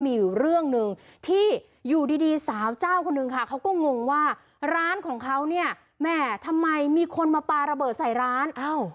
มีอยู่เรื่องหนึ่งที่อยู่ดีสาวเจ้าคนนึงค่ะเขาก็งงว่าร้านของเขาเนี่ยแม่ทำไมมีคนมาปลาระเบิดใส่ร้าน